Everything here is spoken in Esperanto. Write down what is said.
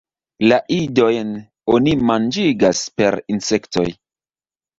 La idojn oni manĝigas per insektoj.